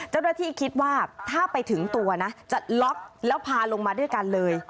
เจ้าหน้าที่คิดว่าถ้าไปถึงตัวนะจะล็อกแล้วพาลงมาด้วยกันเลย